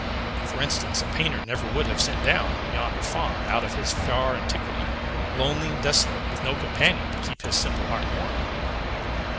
For instance, a painter never would have sent down yonder Faun out of his far antiquity, lonely and desolate, with no companion to keep his simple heart warm."